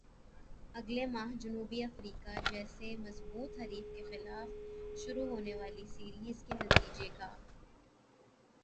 اگلے ماہ جنوبی افریقہ جیسے مضبوط حریف کے خلاف شروع ہونے والی سیریز کے نتیجے کا